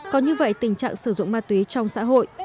có như vậy tình trạng sử dụng ma túy trong xã hội mới được kéo giảm